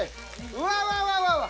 うわうわうわうわうわ！